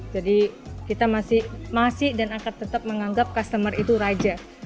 jadi kita masih dan akan tetap menganggap customer itu raja